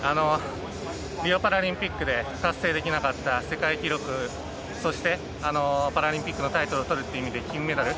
リオパラリンピックで達成できなかった世界記録、そしてパラリンピックのタイトルをとるという意味で金メダル。